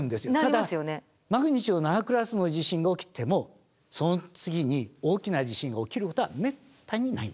ただＭ７クラスの地震が起きてもその次に大きな地震が起きることはめったにない。